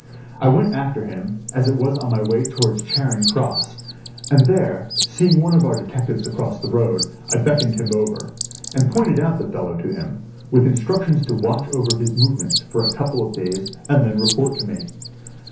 I went after him, as it was on my way towards Charing Cross, and there seeing one of our detectives across the road, I beckoned him over, and pointed out the fellow to him, with instructions to watch his movements for a couple of days, and then report to me.